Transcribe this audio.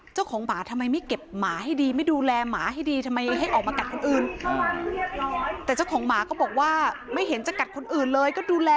เจ้าของหมากับตัวผู้เสียหายที่เขาเถียงกับตัวผู้เสียหายที่เขาเถียงกันนะคะ